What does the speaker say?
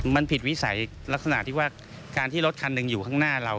มันผิดวิสัยลักษณะที่ว่าการที่รถคันหนึ่งอยู่ข้างหน้าเรา